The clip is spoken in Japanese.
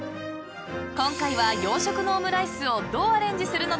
［今回は洋食のオムライスをどうアレンジするのでしょうか？］